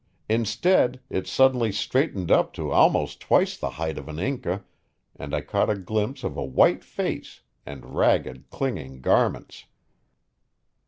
Instead, it suddenly straightened up to almost twice the height of an Inca, and I caught a glimpse of a white face and ragged, clinging garments.